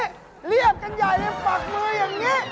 เรียกกันใหญ่เลยปักมืออย่างนี้